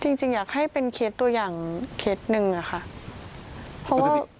ใช่จริงอยากให้เป็นเคสตัวอย่างเคสหนึ่งค่ะ